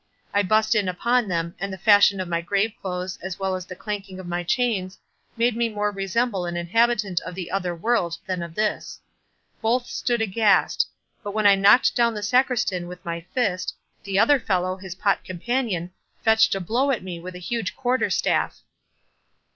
I burst in upon them, and the fashion of my grave clothes, as well as the clanking of my chains, made me more resemble an inhabitant of the other world than of this. Both stood aghast; but when I knocked down the Sacristan with my fist, the other fellow, his pot companion, fetched a blow at me with a huge quarter staff."